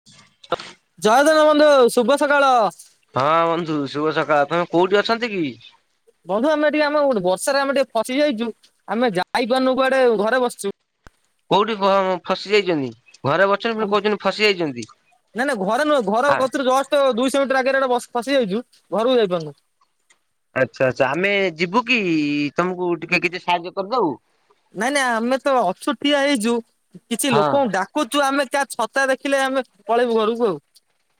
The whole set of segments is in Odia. [unintelligible] ଜୟ ଜଗବନ୍ଧୁ ଶୁଭ ସକାଳ। ହଁ ବନ୍ଧୁ ଶୁଭ ସକାଳ। ତମେ କୋଉଠି ଅଛନ୍ତି କି? ବନ୍ଧୁ ଆମେ ଟିକେ ଆମ ଗୋ ବର୍ଷାରେ ଆମେ ଟିକେ ଫସି ଯାଇଛୁ। ଆମେ ଯାଇପାରୁନୁ କୁଆଡେ ଘରେ ବସିଛୁ। କୋଉଠି ଫ ଫସି ଯାଇଛନ୍ତି? ଘରେ ବସି ନାଇଁ ନାଇଁ ଘରେ ନୁହେଁ ଘର କତୁରୁ ଜଷ୍ଟ ତ ଦୁଇଶହ ମିଟର ଆଗରେ ଫସି ଯାଇଛୁ ଘରକୁ ଯାଇପାରୁନୁ। ଆଚ୍ଛା ଆଚ୍ଛା ଆମେ ଯିବୁ କି ତମକୁ ଟିକେ କିଛି ସାହାଯ୍ୟ କରିଦବୁ। ନାଇଁ ନାଇଁ ଆମେ ତ ଅଛୁ ଟିଆ ହେଇଛୁ। କିଛି ହଁ ଲୋକଙ୍କୁ ଡା ଦେଖୁଛୁ ଆମେ ତା ଛତା ଦେଖିଲେ ଆମେ ପଳେଇବୁ ଘରକୁ ଆଉ।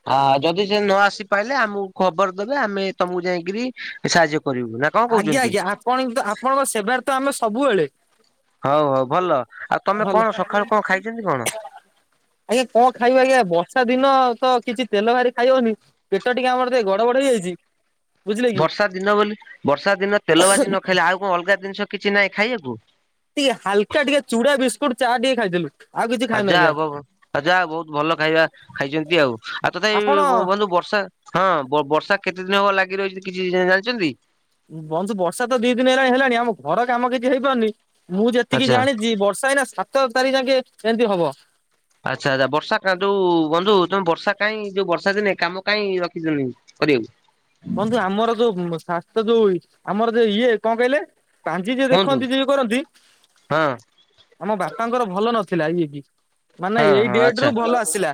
ହଁ ଯଦି ସେ ନ ଆସି ପାଇଲେ ଆମକୁ ଖବର ଦେବେ। ଆମେ ତମକୁ ଯାଇକିରି ସାହାଯ୍ୟ କରିବୁ। ନା କଣ ଆଜ୍ଞା କହୁଛନ୍ତି ଆଜ୍ଞା ଆପଣ ଆପଣଙ୍କ ସେବାରେ ତ ଆମେ ସବୁବେଳେ। ହଉ ହଉ ଭଲ ଆଉ ତମେ ଭଲ କଣ ସକାଳୁ କଣ ଖାଇଛନ୍ତି କଣ? ଆଜ୍ଞା କଣ ଖାଇବ ଆଜ୍ଞା ବର୍ଷା ଦିନ ତ କିଛି ତେଲ ଭାରି ଖାଇ ହବନି। ପେଟ ଟିକେ ଆମର ଟିକେ ଗଡ ବଡ ହେଇଯାଇଛି। ବୁଝିଲେ କି ବର୍ଷା ଦିନ ବୋଲି ବର୍ଷା ଦିନ ତେଲ ଭାଜି ନ ଖାଇଲେ ଆଉ କଣ ଅଲଗା ଜିନିଷ କିଛି ନାହିଁ ଖାଇବାକୁ? ଟିକେ ହାଲକା ଟିକେ ଚୁଡା ବିସ୍କୁଟ ଚା ଟିକେ ଖାଇଥିଲୁ। ଆଉ କିଛି ହ ଖାଇନୁ ଜା ଆଜ୍ଞା। ହବ। ଆ ଯା ବହୁତ ଭଲ ଖାଇବା ଖାଇଛନ୍ତି ଆଉ। ଆଉ ତଥାପି ଆପଣ ବନ୍ଧୁ ବର୍ଷା ହଁ ବ-ବର୍ଷା କେତେ ଦିନ ହବ ଲାଗି ରହିଛି କିଛି ଜାଣିଛନ୍ତି? ବନ୍ଧୁ ବର୍ଷା ତ ଦି ଦିନ ହେଲାଣି ହେଲାଣି। ଆମ ଘର କାମ କିଛି ହେଇପାରୁନି। ମୁଁ ଯେତିକି ଆଚ୍ଛା ଜାଣିଛି ବର୍ଷା ଏଇନା ସାତ ତାରିଖ ଯାକେ ଏମତି ହବ। ଆଚ୍ଛା ଆଚ୍ଛା ବର୍ଷା କଁ ଯୋଉ ବନ୍ଧୁ ତମେ ବର୍ଷା କାହିଁ ଯୋଉ ବର୍ଷା ଦିନେ କାମ କାହିଁ ରଖିଛନ୍ତି? କରିବାକୁ। ବନ୍ଧୁ ଆମର ଯୋଉ ଛାତ ଯୋଉ ଆମର ଯୋ ଇଏ କଣ କହିଲେ? ପାଞ୍ଜି ଯିଏ କୁହନ୍ତୁ ଦେଖନ୍ତି ଯିଏ ଇଏ କରନ୍ତି। ହଁ ଆମ ବାପାଙ୍କର ଭଲ ନଥିଲା ଇଏ କି? ମାନେ ହଁ ଏଇ ହଁ ଆଚ୍ଛା ଡେଟରୁ ଭଲ ଆସିଲା।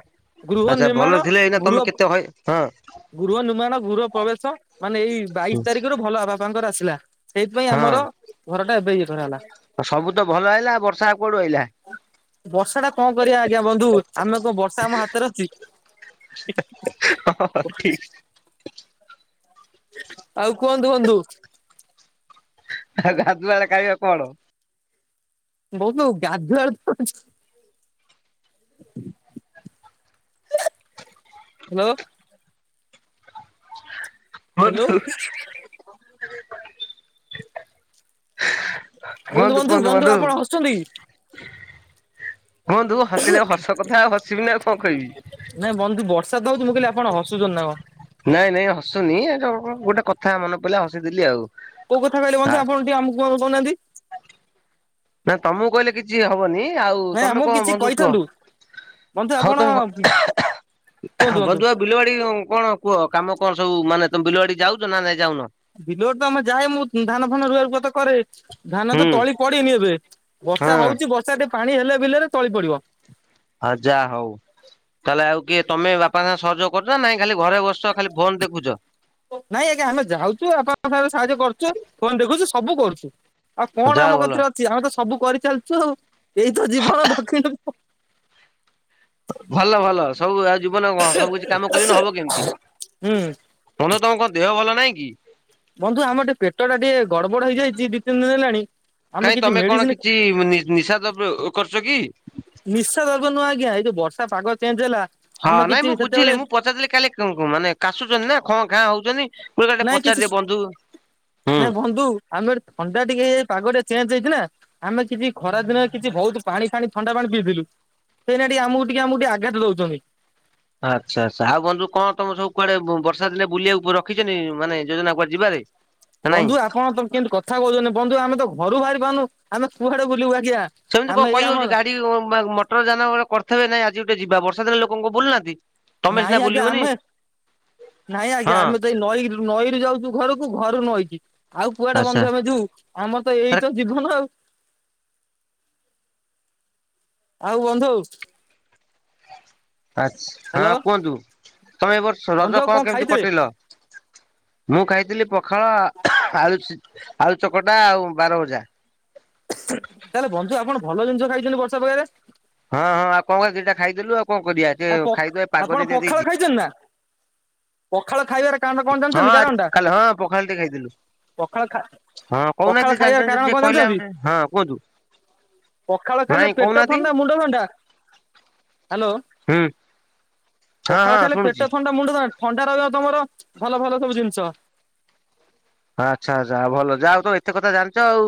ଗୃହ ଆଚ୍ଛା ଭଲ ନିର୍ମାଣ ଥିଲେ ଏଇନା ତମେ ଗୃହ କେତେ ହଁ ଗୃହ ନିର୍ମାଣ ଗୃହ ପ୍ରବେଶ ମାନେ ଏଇ ବାଇଶି ତାରିଖରୁ ଭଲ ବାପାଙ୍କର ଆସିଲା। ସେଇଥିପାଇଁ ହଁ ଆମର ଘର ଟା ଏବେ ଇଏ କରାହେଲା। ତ ସବୁତ ଭଲ ଆଇଲା। ବର୍ଷା ଆଉ କୋଆଡୁ ଆଇଲା। ବର୍ଷା ଟା କଣ କରିବା ଆଜ୍ଞା ବନ୍ଧୁ। ଆମେ କଣ ବର୍ଷା ଆମ ହାତରେ ଅଛି। ହଁ ହଁ ହଁ ଠିକ। ଆଉ କୁହନ୍ତୁ ବନ୍ଧୁ। ଆଉ ଗାଧୁଆ ବେଳେ ଖାଇବା କଣ। ବହୁତ ଗାଧୁଆ [unintelligible] ହାଲୋ। ହ୍ୟାଲୋ କୁହନ୍ତୁ [unintelligible] କୁହନ୍ତୁ କୁହନ୍ତୁ ବନ୍ଧୁ। ସୁଛନ୍ତି। କୁହନ୍ତୁ ହସିଲେ ହସ କଥା ଆଉ ହସିବି ନା ଆଉ କଣ କହିବି। ନାଇଁ ବନ୍ଧୁ ବର୍ଷା ତ ହଉଛି ମୁଁ କହିଲି ଆପଣ ହସୁଛନ୍ତି ନାଁ କଣ। ନାଇଁ ନାଇଁ ହସୁନି ଏ ଗୋଟେ କଥା ମନେ ପଡିଲା ହସିଦେଲି ଆଉ। କୋଉ କଥା କହିଲେ ହା ବନ୍ଧୁ ଆପଣ ଟିକେ ଆମକୁ କହୁନାହାନ୍ତି। ନା ତମକୁ କହିଲେ କିଛି ହବନି। ଆଉ ନାଇଁ ତମେ ଆମକୁ କଣ କିଛି ବନ୍ଧୁ କୁହ କହିଥାନ୍ତୁ। ବନ୍ଧୁ ଆପଣ ହଉ ତମେ କୁହନ୍ତୁ ବନ୍ଧୁ। ବିଲ ବାଡି କଣ କୁହ କାମ କଣ ସବୁ ମାନେ ତମେ ବିଲ ବାଡି ଯାଉଛ ନା ଯାଉନ? ବିଲ ବାଡି ତ ଆମେ ଯାଏ ମୁଁ ଧାନ ଫାନ ରୁଆ ପୋତା କରେ ଧାନ ତ ହୁଁ ତଳି ପଡିନି ଏବେ। ବର୍ଷା ହଁ ହଉଛି ବର୍ଷା ଟିକେ ପାଣି ହେଲେ ବିଲରେ ତଳି ପଡିବ। ଆ ଯାହା ହଉ ତାହେଲେ ଆଉ କିଏ ତମେ ବାପା ବାପା ସାଙ୍ଗେ ସହଯୋଗ କରୁ ନାଇଁ ଖାଲି ଘରେ ବସୁଛ ଫୋନ ଦେଖୁଛ। ନାଇଁ ଆଜ୍ଞା ଆମେ ଯାଉଛୁ ବାପା ଭରେ ସାହାଯ୍ୟ କରୁଛୁ ଫୋନ ଦେଖୁଛୁ ସବୁ କରୁଛୁ। ଆଉ କଣ ଯାହା ଆମ ହଉ କଟିରେ ଅଛି ଆମେ ତ ସବୁ କରିଚାଲିଛୁ ଆଉ ଏଇତ ଜୀବନ ଦଖିଣି ଭଲ ଭଲ ସବୁ ଆଉ ଜୀବନ କ ସବୁ କିଛି କାମ କରନି ହବ କେମିତି। ହୁଁ ବନ୍ଧୁ ତମ ଦେହ ଭଲ ନାଇଁ କି? ବନ୍ଧୁ ଆମର ଟିକେ ପେଟା ଟିକେ ଗଡ ବଡ ହେଇଯାଇଛି ଦି ତିନି ଦିନ ହେଲାଣି। ଆମେ କାଇଁ କିଛି ତମେ କଣ ମେଡିସିନ କିଛି ନିଶା ଦର୍ବୀୟ କରୁଛ କି? ନିଶା ଦର୍ବିୟ ନୁହ ଆଜ୍ଞା ଏଇ ଯଉ ବର୍ଷା ପାଗ ଚେଞ୍ଜ ହେଲା। ହଁ ଆମେ ନାଇଁ କିଛି ମୁଁ ବୁଝିଲି ସେତେବେଳେ ମୁଁ ପଚାରଦଥିଲି କାଲି ମାନେ କାଶୁଛନ୍ତି ନା ଖ ଘାଁ ହଉଛନ୍ତି। ମୁଁ ଟିକେ ନାଇଁ କିଛି ପଚାରିଦେ ବନ୍ଧୁ ହୁଁ। ନାଇଁ ବନ୍ଧୁ ଆମେ ଥଣ୍ଡା ଟିକେ ପାଗଟେ ଚେଞ୍ଜ ହେଇଛି ନା ଆମେ କିଛି ଖରା ଦିନ କିଛି ବହୁତ ପାଣି ଫାଣି ଥଣ୍ଡା ପାଣି ପିଇଥିଲୁ ଏଇନା ଟିକେ ଆମକୁ ଟିକେ ଆମକୁ ଟିକେ ଆଘାତ ଦଉଛନ୍ତି। ଆଚ୍ଛା ଆଚ୍ଛା ଆଉ ବନ୍ଧୁ କଣ ତମ ସବୁକୁଆଡେ ବର୍ଷା ଦିନେ ବୁଲିବାକୁ ରଖିଛନ୍ତି ମାନେ ଯୋଜନା କୁଆଡେ ଯିବାରେ। [inaudible] ନା ନାଇଁ ବନ୍ଧୁ ଆପଣ ତ କେମିତି କଥା କହୁଛନ୍ତି ବନ୍ଧୁ ଆମେ ତ ଘରୁ ବାହାରି ପାରୁନୁଆମେକୁଆଡେ ବୁଲିବୁ ଆଜ୍ଞା। ସେମିତି ଆମେ କଣ ଏଇ କହି ଆମ ହଉଛି ଗାଡି ମଟର ଯାନା ବେଳେ କରିଥିବବେ ନାଇଁ ଆଜି ଗୋଟେ ଯିବା ବର୍ଷା ଦିନେ ଲୋକ ବୁଲୁନାହାନ୍ତି। ତମେ ସିନା ନାଇଁ ଆଜ୍ଞା ବୁଲିବନି ଆମେ ନାଇଁ ଆଜ୍ଞା ହଁ ଆମେ ତଇ ନଈ ନଈରୁ ଯାଉଛୁ ଘରକୁ ଘରୁ ନଇକି ଆଉ କୁଆଡେ ଆଚ୍ଛା ବନ୍ଧୁ ଆମେ ଯିବୁ। ଆମର ତ ଏଇ ତ ଜୀବନ ଆଉ। ଆଉ ବନ୍ଧୁ। ଆଛା ହଁ ହ୍ୟାଲୋ କୁହନ୍ତୁ ତମେ ବର୍ଷ ବନ୍ଧୁ ରଜ ଆଉ କଣ କେମିତି ଖାଇଥିଲେ କଟିଲ। ମୁଁ ଖାଇଥିଲି ପଖାଳ ଆଳୁ ଆଳୁ ଚକଟା ଆଉ ବାରଭଜା। ତାହେଲେ ବନ୍ଧୁ ଆପଣ ଭଲ ଜିନିଷ ଖାଇଛନ୍ତି ବର୍ଷା ପାଗରେ। ହଁ ହଁ ଆଉ କଣ କ ଦିଇଟା ଖାଇଦଲୁ ଆଉ କଣ କରିବା। ସେ ଆ ଖାଇଦବା ପାଗ ଆପଣ ଯେମିତିଆ ପଖାଳ ଦେଇଛି। ଖାଇଛନ୍ତି ନା ପଖାଳ ଖାଇବାର କାରଣ କଣ ଜାଣିଛନ୍ତି କାରଣ ଟା ହଁ ହଁ ପଖାଳ ଟେ ଖାଇଥିଲୁ। ପଖାଳ ଖା ହଁ ପଖାଳ କହୁନାହାନ୍ତି ଯଦି ଖାଇବାର ଜାଣିଛନ୍ତି କାରଣ ଯଦି କଣ କହିଲେ ଜାଣିଛନ୍ତି ଆମେ ହଁ କୁହନ୍ତୁ। ପଖାଳ ଖାଇଲେ ନାଇଁ ପେଟ କହୁନାହାନ୍ତି ଥଣ୍ଡା ମୁଣ୍ଡ ଥଣ୍ଡା ହ୍ୟାଲୋ। ହୁଁ। ହଁ ପଖାଳ ହଁ ଖାଇଲେ ଶୁଣୁଛି। ପେଟ ଥଣ୍ଡା ମୁଣ୍ଡ ଥ ଥଣ୍ଡା ରହିବ ତମର ଭଲ ଭଲ ସବୁ ଜିନିଷ। ଆଚ୍ଛା ଆଚ୍ଛା ଭଲ ଯାହା ହୋଉ ତମେ ଏତେ କଥା ଜାଣିଛ ଆଉ।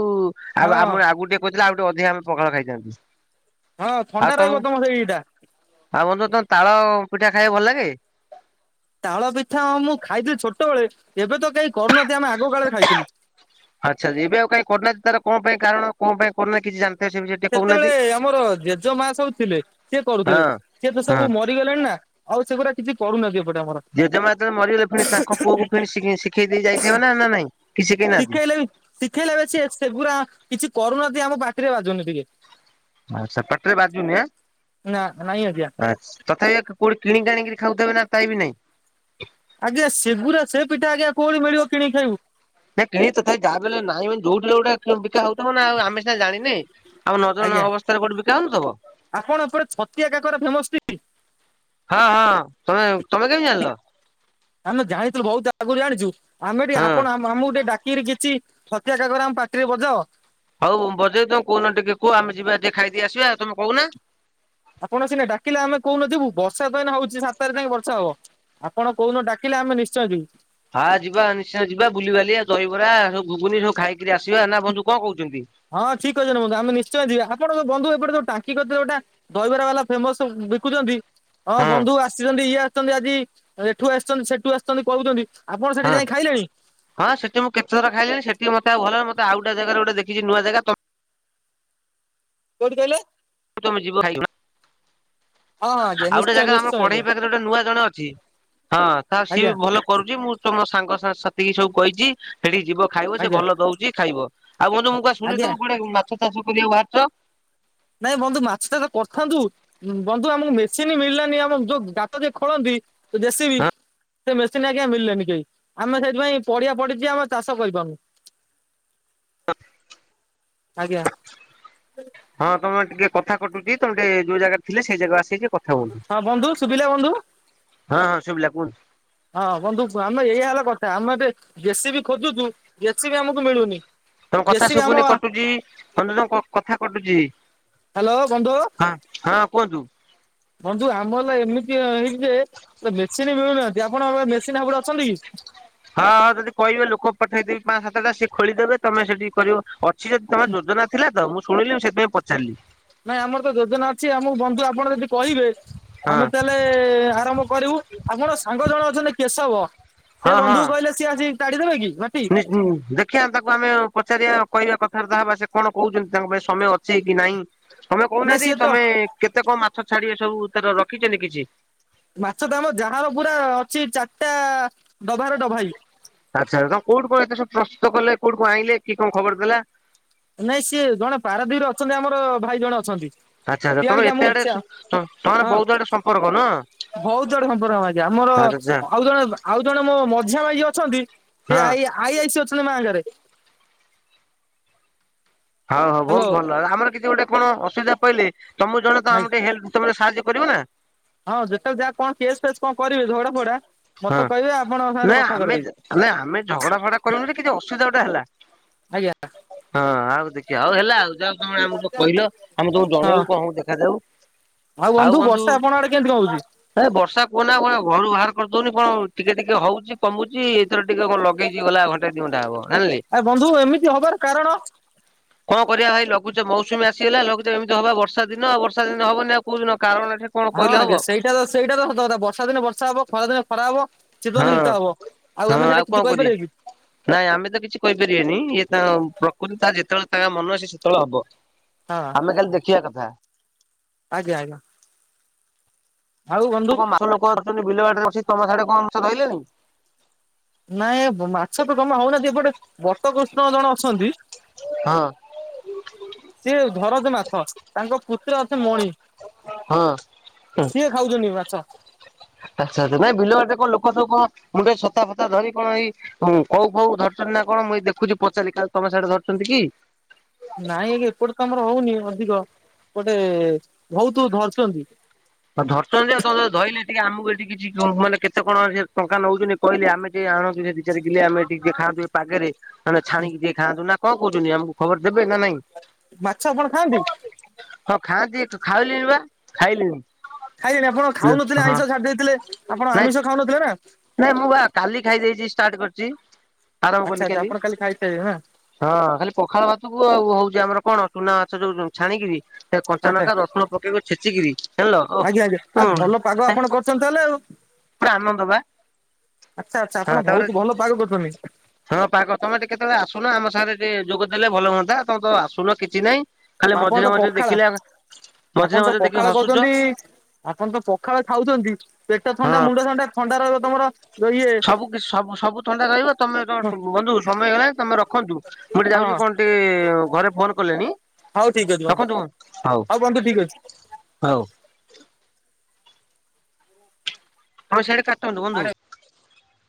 ହଁ ଆ-ଆ-ଆଉ ଆମ ଆଉକୁ ଟିକେ କହିଥିଲେ ଆଉ ଟିକେ ଅଧିକ ଆମେ ପଖାଳ ଖାଇଥାଆନ୍ତୁ। ହଁ ଥଣ୍ଡା ରହିବ ତମ ସେଇ ଇଏଟା। ଆଉ ବନ୍ଧୁ ତମ ତାଳ ପିଠା ଖାଇବାକୁ ଭଲ ଲାଗେ। ତାଳ ପିଠା ମୁଁ ଖାଇଥିଲି ଛୋଟବେଳେ। ଏବେ ତ କେହି କରୁନାହାନ୍ତି ଆମେ ଆଗ କାଳେ ଖାଇଥିଲୁ। ଆଚ୍ଛା ଏବେ ଆଉ କାଁ କରୁନାହାନ୍ତି ତାର କଣ ପାଇଁ କାରଣ କଣ ପାଇଁ କରୋନା କିଛି ଜା ସେତେବେଳେ ଆମର ଜେଜେ ମା ସବୁ ଥିଲେ ସିଏ କରୁଥିଲେ। ହଁ। ସିଏ ତ ହଁ ସବୁ ମ ମାରିଗଲେନି ନା ଆଉ ସେଗୁଡା କିଛି କରୁନାହାନ୍ତି ଏପଟେ ଆମର। ଜେମା ଯେତେବେଳେ ମରିଗଲେ ପୁଣି ତାଙ୍କ ପୁଅକୁ ପୁଣି ଶିଖେ ଶିଖେଇ ଦେଇ ଯାଇଥିବେ ନା ନାଇଁ। କି ଶିଖେଇ ନାହାନ୍ତି? ଶିଖେଇଲେ ବି ଶିଖେଇଲେ ସେ ସେଗୁରା କିଛି କରୁନାହାନ୍ତି ଆମ ପାଟିରେ ବାଜୁନି ଟିକେ। ଆଛା ପାଟିରେ ବାଜୁନି ଆଁ। ନା ନାଇଁ ଆଜ୍ଞା। ଆଛ ତଥାପି କୋଉଠି କିଣିକି ଆଣିକି ଖାଉଥିବେ ନା ଟାଇମ୍ ନାଇଁ? ଆଜ୍ଞା ସେଗୁରା ସେ ପିଠା ଆଜ୍ଞା କଉଠି ମିଳିବ କିଣିକି ଖାଇବୁ। ନା କେହି ତଥା ଯାହାବି ହେଲେ ନାହିଁ ବେଲି ଯୋଉଠି ହେଲେ ଗୋଟେ ବିକା ହଉଥିବ ନା ଆମେ ସିନା ଜାଣିନେ। ଆମ ନଜର ନ ଆଜ୍ଞା ଅବସ୍ଥାରେ କୋଉଠି ବିକା ହଉନଥିବ। ଆପଣ ଏପଟେ ଛତିଆ କାକରା ଫେମସ ଟି। ହଁ ହଁ ତମେ ତମେ କେମିତି ଜାଣିଲ? ଆମେ ଜାଣିଥିଲୁ ବହୁତ ଆଗରୁ ଜାଣିଛୁ। ଆମେବି ହଁ ଆପଣ ଆମ ମ ଆମକୁ ଟିକେ ଡାକିକିରି କିଛି ଛତିଆ କାକରା ଆମ ପାଟିରେ ବଜାଅ। ହଉ ବଜେଇ ଦବୁ କହୁନା ଟିକେ କୁହ। ଆମେ ଯିବା ଟିକେ ଖାଇ ଦେଇ ଆସିବା ତମେ କହୁନା। ଆପଣ ସିନା ଡାକିଲେ ଆମେ କୋଉ ଦିନ ଯିବୁ। ବର୍ଷା ତ ଏଇନେ ହଉଚି ସାତ ତାରିଖ ଯାଏଁ ବର୍ଷା ହବ। ଆପଣ କୋଉନ ଡାକିଲେ ଆମେ ନିଶ୍ଚୟ ଯିବୁ। ଆ ଯିବା ନିଶ୍ଚୟ ଯିବା ବୁଲିିବାଲି ଦହିବରା ସବୁ ଘୁଗୁନି ସବୁ ଖାଇକିରି ଆସିବା। ନା ବନ୍ଧୁ କଣ କହୁଛନ୍ତି? ହଁ ଠିକ୍ କହିଛନ୍ତି ବନ୍ଧୁ ଆମେ ନିଶ୍ଚୟ ଯିବା। ଆପଣଙ୍କ ବନ୍ଧୁ ଏପଟେ ସବୁ ଟାଙ୍କି କରିଥିଲେ ଗୋଟା ଦହିବରା ବାଲା ଫେମସ ସବୁ ବିକୁଛନ୍ତି। ହଁ ବନ୍ଧୁ ଆସିଛନ୍ତି। ଇଏ ଆସିଛନ୍ତି ଆଜି ଏଠୁ ଆସିଛନ୍ତି ସେଠୁ ଆସିଛନ୍ତି କହୁଛନ୍ତି। ଆପଣ ସେଠି ହଁ ଯାଇ ଖାଇଲେଣି? ହଁ ସେଠି ମୁଁ କେତେଥର ଖାଇଲିଣି। ସେଠି ମତେ ଆଉ ଭଲ ଲାଗିଲାନି ମତେ ଆଉଟା ଜାଗାରୁ ଗୋଟ ଦେଖିଛି ନୂଆ ଜାଗା। ତ କୋଉଠି କହିଲେ? ତମେ ଯିବ ଖାଇବନା। ହଁ ହଁ ଆଜ୍ଞା ଆଉ ଗୋଟେ ନିଶ୍ଚୟ ଜାଗା ଆମ ନିଶ୍ଚୟ କଢେଇ ଆଜ୍ଞା ପାଖରେ ଗୋଟେ ନୂଆ ଜଣେ ଅଛି। ହଁ ତ ସିଏ ଆଜ୍ଞା ବି ଭଲ କରୁଛି। ମୁଁ ସବୁ ମୋ ସାଙ୍ଗ ସା-ସାଥିକି ସବୁ କହିଛି ସେଇଠିକି ଯିବ। ଖାଇବ ସେ ଆଜ୍ଞା ଭଲ ଦଉଛି ଖାଇବ। ଆଉ ବନ୍ଧୁ ମୁଁ କୁଆଡେ ଶୁଣିଲି ଆଜ୍ଞା। ତମେ କୁଆଡେ ମାଛ ଚାଷ କରିବାକୁ ବାହାରିଛ। ନାଇଁ ବନ୍ଧୁ ମାଛ ଚାଷ କରିଥାନ୍ତୁ। ବନ୍ଧୁ ଆମକୁ ମେସିନ ମିଳିଲାନି। ଆମେ ଯୋଉ ଗାତ ଯେ ଖୋଳନ୍ତି ଜେ ସି ବି। ସେ ମେସିନ୍ ଆଜ୍ଞା ମିଳିଲାନି କେହି। ଆମେ ସେଥିପାଇଁ ପଡିଆ ପଡିିଛି ଆମେ ଚାଷ କରିପାରୁନୁ। [inaudible] [unintelligible] ଆଜ୍ଞା। ହଁ ତମେ ଟିକେ କଥା କଟୁଛିି। ତମେ ଟିକେ ଯୋଉ ଜାଗାରେ ଥିଲେ ସେଇ ଜାଗାକୁ ଆସିକି କ କଥା ହୁଅନ୍ତୁ ହଁ ବନ୍ଧୁ ଶୁଭିଲା ବନ୍ଧୁ। ହଁ ହଁ ଶୁବିଲା କୁହନ୍ତୁ। ହଁ ବନ୍ଧୁ କୁହ ଆମେ ଏୟା ହେଲା କଥା ଆମେ ବି ଜେ ସିି ବି ଖୋଜୁଛୁ ଜେ ସିି ବି ଆମକୁ ମିଳୁନି। ତମ କଥା ଜେସିବି ଆମ ଶୁଗୁନି କଟୁଛି। ତମେ ଯୋଉ କଥା କଟୁଛି। ହ୍ୟାଲୋ ବନ୍ଧୁ। ହଁ ହଁ କୁହନ୍ତୁ। ବନ୍ଧୁ ଆମ ହେଲା ଏମିତି ହେଇଛି ଯେ ମେସିନ୍ ମିଳୁନାହାନ୍ତି। ଆପଣଙ୍କର ମେସିନ୍‌ ହେପଡେ ଅଛନ୍ତି କି? ହଁ ହଁ ଯଦି କହିବେ ଲୋକ ପଠେଇଦବି ପାଆଁ ସାତଟା ସିଏ ଖୋଳିଦେବେ ତମେ ସେଠିକି କରିବ। ଅଛି ଯଦି ତମ ଯୋଜନା ଥିଲା ତ ମୁଁ ଶୁଣିଲି ମୁଁ ସେଥିପାଇଁ ପଚାରିଲି। ନାଇଁ ଆମର ତ ଯୋଜନା ଅଛି। ଆମକୁ ବନ୍ଧୁ ଆପଣରେ ଯଦି କହିବେ ହଁ ଆମେ ତାହେଲେ ଏ ଏ ଆରମ୍ଭ କରିବୁ ଆପଣ ସାଙ୍ଗ ଜଣ ଅଛନ୍ତି କେଶବ। ସେ ବନ୍ଧୁକୁ କହିଲେ ସିଏ ଆସି ତାଡିଦେବେ କି? ମାଟି [unintelligible] ଦେଖିଆ ତାକୁ ଆମେ ପଚାରିବା କହିବା କଥାବର୍ତ୍ତା ହବା। ସେ କଣ କହୁଛନ୍ତି ତାଙ୍କ ପାଖେ ସମୟ ଅଛି କି ନାହିଁ। ତମେ ନାଇଁ କହୁନାହାନ୍ତି ସିଏ ତ ତମେ କେତେ କଣ ମାଛ ଛାଡିବେ ସବୁ ତାର ରଖିଛନ୍ତି କିଛି। ମାଛ ଧର ଯାହା ଉପୁରା ଅଛି ଚାରିଟା ଡବାରେ ଡବାଇ। ଆଚ୍ଛା ତମେ କୋଠୁ କଣ ଏତେସବୁ ପ୍ରସ୍ତୁତ କଲେ କୋଉଠ କଣ ଆଇଲେ କି କଣ ଖବର ଦେଲା? ନାଇଁ ସିଏ ଜଣେ ପାରାଦ୍ୱୀରେ ଅଛନ୍ତି ଆମର ଭାଇ ଜଣେ ଅଛନ୍ତି। ଆଚ୍ଛା ସିଏ ତମେ ଆଣିକି ଏତେ ଆମକୁ ଆଡେ ଚା ସ ସ ତମର ହଁ ବହୁତ ଆଡେ ସମ୍ପର୍କ ନୁହଁ। ବହୁତ ଆଡେ ସମ୍ପର୍କ ଆଜ୍ଞା। ଆମର ଆଚ୍ଛା ଆଚ୍ଛା ଆଉ ଜଣେ ଆଉ ଜଣେ ମୋ ମଝିଆ ଭାଇ ଯିଏ ଅଛନ୍ତି ସେ ହଁ। ଆଇ ଆଇ ଆଇସିି ଅଛନ୍ତି ବ୍ୟାଙ୍କରେ। ହଉ ହଉ ହ୍ୟାଲୋ ବହୁତ ଭଲ ଆମର କିଛି ଗୋଟେ କଣ ଅସୁବିଧା ପହିଲଲେ ତମ ଜଣେ ତ ଭାଇ ଆମେ ଟିକେ ହେଲ୍ପ ତମେ ସାହାଯ୍ୟ କରିବ ନା? ହଁ ଯେତେବେଳେ ଯାହା କଣ କେସ୍ ଫେସ୍ କଣ କରିବେ ଧୋଡା ଫୋଡା ମତେ କହିବେ ଆପଣଙ୍କ ସାଙ୍ଗରେ କଥା କରିଦେବି। ନାଇ ଆମେ ଝଗଡା ଫଡା କରୁନୁ କିଛି ଅସୁବିଧା ଗୋଟେ ହେଲା ଆଜ୍ଞା ହଁ ଆଉ। ଆଉ ହେଲା ଆଉ ଯାହାମେ ଆମ କହିଲ ଆମେ ତମକୁ ହଁ ଜଣେଇବୁ କଣ ଦେଖାଯାଉ। ଆଉ ବନ୍ଧୁ ବର୍ଷା ଆପଣ ଆଡେ କେମିତି କଣ ହଉଛି? ଏ ବର୍ଷା କୁହନା କୁହନା ଘରୁ ବାହାର କରିଦଉନି କଣ ଟିକେ ଟିକେ ହଉଛି କମୁଛି। [unintelligible] ଟିକେ କଣ ଲଗେଇ ଗଲା ଘଣ୍ଟା ଦି ଘଣ୍ଟ ହବ। [unintelligible] ଆ ବନ୍ଧୁ ଏମିତି ହବାର କାରଣ? କଣ କରିବା ଭାଇ ଲଘୁଚ ମୌସୁମୀ ଆସିଗଲା ଲଘୁଚ ଏମିତି ହବ ବର୍ଷା ଦିନ ଆ ବର୍ଷା ଦିନ ହବନି ଆଉ କହୁଛୁ କାରଣ ଏଠି କଣ ହଁ କହିଲେ ହବ ଆଜ୍ଞା ସେଇଟା ତ ସେଇଟା ତ କଥା ବର୍ଷା ଦିନେ ବର୍ଷା ହବ ଖରା ଦିନେ ଖରା ହବ। ହଁ ସେୀତନ ଗୀତ ହବ ଆଉ ହଁ ଆମେ ସେଇଟା କଣ କରିବା। କିଛିକହିପାରିବେ କି? ନାଇଁ ଆମେ ତ କିଛି କହିପାରିବେନି ଇଏ ତା ପ୍ରକୃତି ତା ଯେତେବେଳେ ତାଙ୍କ ମନ ଅ ସେ ସେତେବେଳେ ହବ। ହଁ। ଆମେ କାଲି ଦେଖିବା କଥା। ଆଜ୍ଞା ଆଜ୍ଞା। ଆଉ ବନ୍ଧୁ କଣ ମାଛ ଲୋକ ଅଛନ୍ତି ବିଲ ବାଡ ଅଛି ତମ ସାଢେ କଣ ରହିଲଣି। ନାଇଁ ମାଛ ତ ଜମା ହଉନାହାନ୍ତି ଏପଟେ ବଟକୃଷ୍ଣ ଜଣେ ଅଛନ୍ତି। ହଁ। ସିଏ ଘରଜ ମାଥ ତାଙ୍କ ପୁତ୍ର ଅସ ମଣି ହଁ। ସିଏ ଖାଉଛନ୍ତି ମାଛ। ଆଚଛା ଆଚଛା ନାଇଁ ବିଲୁଡ କଣ ଲୋକ ସବ କଣ ମୁଣ୍ଡେ ସତା ଫତା ଧରି କଣ ଏଇ ହଁ କଉ ଫଉ ଧରଛନ୍ତି ନା କଣ ମୁଇଁ ଦେଖୁଛି ପଚାରି କାଲି ତମ ସାଡେ ଧରୁଛନ୍ତି କି? ନାଇଁ ଆଜ୍ଞା ଏପଟେ ତମର ହଉନି ଅଧିକ ଗୋଟେ ବହୁତ ଧରିଛନ୍ତି ଆଉ ଧରଛନ୍ତି ଆଉ ତମ ଧରିଲେ ଟିକେ ଆମକୁ ଏଠି କିଛି ମାନେ କେତେ କଣ ଟଙ୍କା ନେଉଛନ୍ତି। କହିଲେ ଆେ ଯ ଆଣନ୍ତୁ ସେ ଦିାର ଗିଲେ ଆମେ ଟିକେ ଖାଆନ୍ତୁ ଏ ପାାଗରେ ନହେ ଛାଣିକି ଟିକେ ଖାଆନ୍ତୁ ନା କଣ କହୁଛନ୍ତିି ଆମକୁ ଖବର ଦେବେ ନା ନାଇଁ। ମାଛ ଆପଣ ଖାଆନ୍ତି। ହଁ ଖାଆନ୍ତିୁ ଖାଇଲିନି ବା ଖାଇଲିନି। ଖାଇନି ଆପଣ ଖାଉନଥିଲେ ଆଇିଷ ଛାଡି ଦେଇେଇଥିଲେ ଆପଣ ନାଇଁ ଆମିଷ ଖାଉନଥିଲେ ନା। ନାଇଁ ମୁଁ ବା କାଲି ଖାଇ ଦେଇେଇଛି ଷ୍ଟାର୍ଟ କରିଛି ଆରମ୍ଭ ଆଚ୍ଛା କଲି ଆଚ୍ଛା କାଲି। ଆପଣ ଖାଇସାଇଲେଣି ନା ହଁ ଖାଲି ପଖାଳ ଭାତକୁ ଆଉ ହଉଛି ଆମର କଣ ଚୁନା ମାଛ ଯୋଉ ଛାଣିକି। କଞ୍ଚା ଆଚ୍ଛା ଲଙ୍କା ରସୁଣ ପକେଇକ ଛେଚିକରି ହେଲ। ଆଜ୍ଞା ଆଜ୍ଞା ଆଉ ଭଲ ପାଗ ଆପଣ କରିଛନ୍ତି ତାହେଲେ ଆଉ। ପୁରା ଆନନ୍ଦ ବା। ଆଚ୍ଛା ଆଚ୍ଛା ହଁ ଆପଣ ତାପରେ ବହୁତ ଭଲ ପାଗ କରୁଛନ୍ତି। ହଁ ପାଖ ତମେ ଟିକେ କେତେବେଳେ ଆସୁନ ଆମ ସାଙ୍ଗରେ ଟିକେ ଯୋଗଦ ଦେଲେ ଭଲ ହୁଅନ୍ତା ତମେ ତ ଆସୁନ କିଛି ନାଇଁ। ଆପଣ ତ ପଖାଳ ମଝିରେ ଆପଣ ତ ମଝିରେ ଦେଖି ପଖାଳ ହସୁଛ କହୁଛନ୍ତି। ଆପଣ ତ ପଖାଳ ଖାଉଛନ୍ତି ପେଟ ହଁ ଥଣ୍ଡା ମୁଣ୍ଡ ଥଣ୍ଡା ଥଣ୍ଡା ରହିବ ତମର ଇଏ ସବୁ ସବୁ ସବୁ ଥଣ୍ଡା ରହିବ ତମେ ହଁ ବନ୍ଧୁ ସମୟ ହେଲାଣି ତମେ ରଖନ୍ତୁ ମୁଁଟେ ହଁ ଯାଉଛି କଣ କେ ଘରେ ଫୋନ କଲେଣି ହଉ ଠିକ ଅଛି ରଖନ୍ତୁ ବନ୍ଧୁ ହଉ। ବନ୍ଧୁ ଠିକ ହଉ ହଉ ସିଆଡୁ କାଟନ୍ତୁ ବନ୍ଧୁ। ଅଛି।